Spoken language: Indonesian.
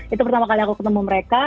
itu pertama kali aku ketemu mereka